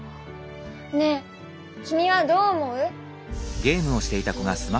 ねえ君はどう思う？